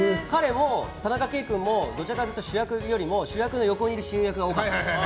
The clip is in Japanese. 田中圭君もどちらかというと主役というよりも主役の横にいることが多かったんです。